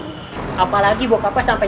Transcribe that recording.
mudah terus kurang sekitar sepuluh menit